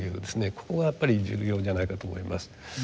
ここがやっぱり重要じゃないかと思います。